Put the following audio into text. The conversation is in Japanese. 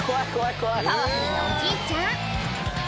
パワフルなおじいちゃん